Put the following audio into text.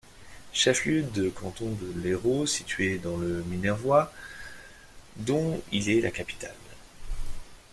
Chef-lieu de canton de l'Hérault situé dans le Minervois dont il est la capitale.